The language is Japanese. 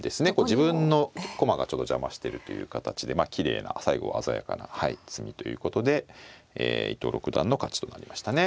自分の駒がちょっと邪魔してるという形でまあきれいな最後鮮やかな詰みということで伊藤六段の勝ちとなりましたね。